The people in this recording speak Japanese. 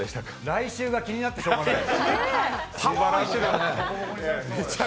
来週が気になってしようがない。